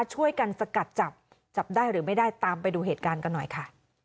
ช่วยกันสกัดจับจับได้หรือไม่ได้ตามไปดูเหตุการณ์กันหน่อยค่ะ